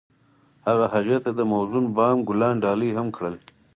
هغه هغې ته د موزون بام ګلان ډالۍ هم کړل.